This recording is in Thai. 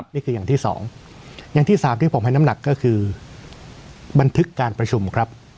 นี่คืออย่างที่๒อย่างที่๓ที่ผมให้น้ำหนักก็คือบันทึกการประชุมครับ